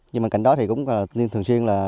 nhưng mà cạnh đó thì cũng thường xuyên